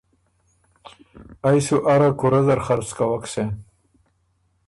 ائ سُو اره کُورۀ زر خرڅ کوک سېن۔